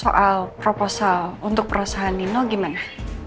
soal proposal untuk perusahaan nino gimana